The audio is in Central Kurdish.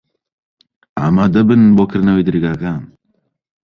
ئامادە بن بۆ کردنەوەی دەرگاکان.